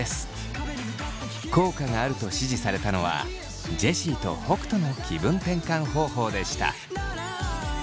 効果があると支持されたのはジェシーと北斗の気分転換方法でした。